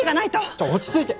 ちょっ落ち着いて。